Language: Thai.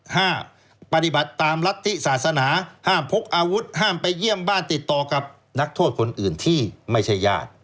ห้าปฏิบัติตามรัฐธิศาสนาห้ามพกอาวุธห้ามไปเยี่ยมบ้านติดต่อกับนักโทษคนอื่นที่ไม่ใช่ญาติ